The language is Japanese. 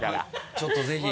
ちょっとぜひ。